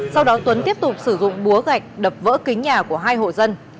sau đó tuấn tiếp tục sử dụng búa gạch đập vỡ kính nhà của hai hộ dân